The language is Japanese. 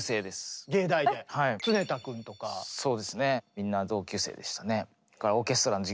みんな同級生でしたね。